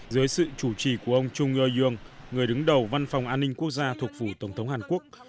dưới sự chủ trì của ông chung yoy yong người đứng đầu văn phòng an ninh quốc gia thuộc phủ tổng thống hàn quốc